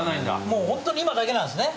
もうホントに今だけなんですね。